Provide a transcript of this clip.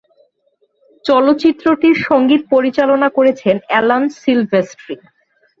চলচ্চিত্রটির সঙ্গীত পরিচালনা করেছেন অ্যালান সিলভেস্ট্রি।